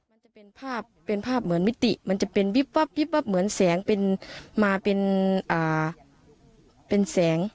มันจะเป็นภาพเป็นภาพเหมือนมิติมันจะเป็นวิบวับวิบวับเหมือนแสงเป็นมาเป็นแสง